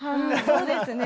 そうですね